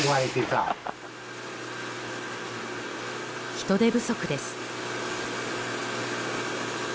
人手不足です。